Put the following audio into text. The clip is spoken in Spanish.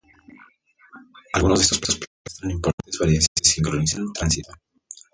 Algunos de estos planetas muestran importantes variaciones de sincronización-tránsito.